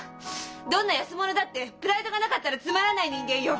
どんな安物だってプライドがなかったらつまらない人間よ！